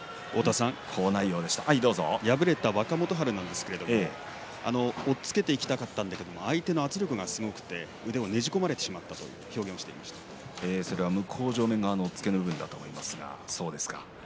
敗れた若元春なんですけれども押っつけていきたかったんだけども相手の圧力がすごくて腕をねじ込まれてしまったと向正面側の押っつけの部分だと思いますが、そうですか。